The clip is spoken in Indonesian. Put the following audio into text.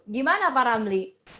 gimana pak ramli